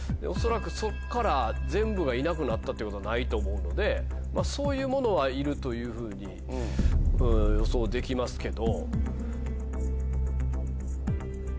そっから全部がいなくなったってことはないと思うのでそういうものはいるというふうに予想できますけど。